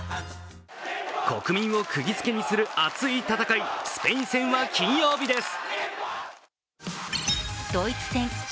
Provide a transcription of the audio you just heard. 国民をくぎづけにする熱い戦い、スペイン戦は金曜日です。